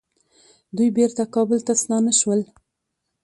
دوی بیرته کابل ته ستانه شول.